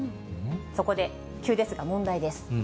そこで、急ですが問題です。